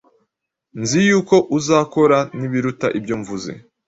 nzi yuko uzakora n’ibiruta ibyo mvuze